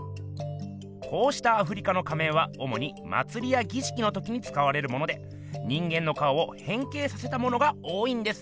こうしたアフリカの仮面はおもにまつりやぎしきのときにつかわれるもので人間の顔をへん形させたものが多いんです。